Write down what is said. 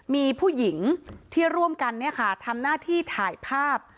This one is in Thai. มีผู้หญิงที่ร่วมกันทำหน้าที่ถ่ายภาพ